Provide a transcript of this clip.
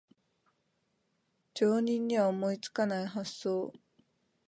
常人には思いつかない発想